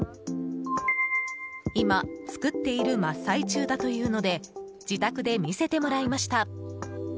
今、作っている真っ最中だというので自宅で見せてもらいました。